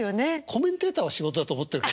コメンテーターは仕事だと思ってる。